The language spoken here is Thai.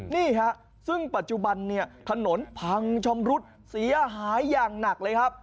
นี่ฮะซึ่งปัจจุบันเนี่ยถนนพังชำรุดเสียหายอย่างหนักเลยครับ